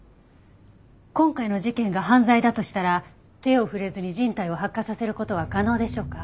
今回の事件が犯罪だとしたら手を触れずに人体を発火させる事は可能でしょうか？